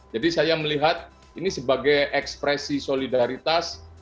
jadi saya melihat ini sebagai ekspresi solidaritas